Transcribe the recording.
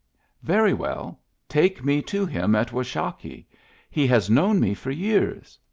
" Very well, take me to him at Washakie. He has known me for years.